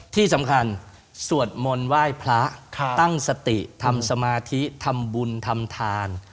ที่สำคัญสวดมนต์ไหว้พระตั้งสติทำสมาธิทำบุญทำทาน